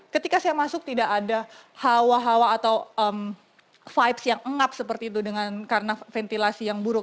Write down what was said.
ketika saya masuk tidak ada hawa hawa atau vibes yang ngap seperti itu dengan karena ventilasi yang buruk